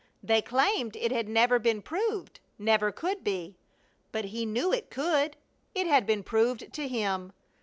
They claimed it had never been proved, never could be. But he knew it could. It had been proved to him!